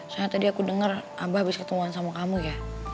soalnya tadi aku denger aba habis ketemuan sama kamu ya